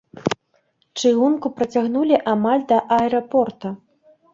Чыгунку працягнулі амаль да аэрапорта.